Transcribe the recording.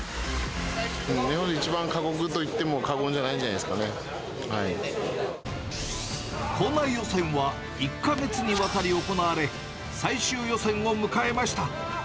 日本で一番過酷といっても過校内予選は１か月にわたり行われ、最終予選を迎えました。